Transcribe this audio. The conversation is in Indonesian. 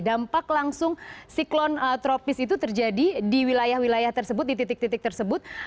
dampak langsung siklon tropis itu terjadi di wilayah wilayah tersebut di titik titik tersebut